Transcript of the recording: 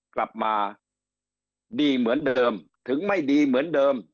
กลับมาดีเหมือนเดิมถึงไม่ดีเหมือนเดิม